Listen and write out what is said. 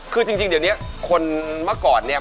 คือจริงเดี๋ยวนี้คนเมื่อก่อนเนี่ย